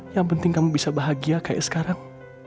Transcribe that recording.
yang penting kamu bisa bahagia kayak sekarang